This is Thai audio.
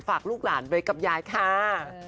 ฝากลูกหลานไว้กับยายค่ะ